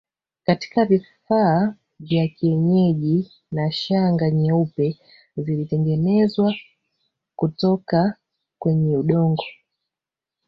Katika vifaa vya kienyeji na Shanga nyeupe zilitengenezwa kutoka kwenye udongo